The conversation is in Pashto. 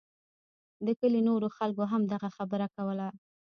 د کلي نورو خلکو هم دغه خبره کوله.